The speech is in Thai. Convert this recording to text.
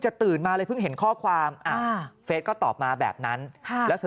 ตื่นมาเลยเพิ่งเห็นข้อความเฟสก็ตอบมาแบบนั้นแล้ว